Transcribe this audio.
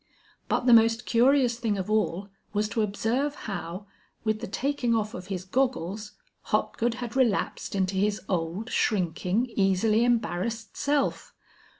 But the most curious thing of all was to observe how, with the taking off of his goggles, Hopgood had relapsed into his old shrinking, easily embarrassed self.